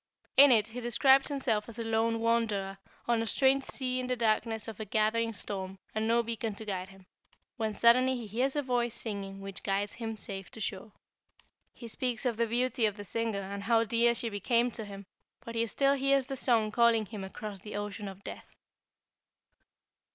In it he described himself as a lone wanderer on a strange sea in the darkness of a gathering storm and no beacon to guide him, when suddenly he hears a voice singing which guides him safe to shore. He speaks of the beauty of the singer and how dear she became to him, but he still hears the song calling him across the ocean of death."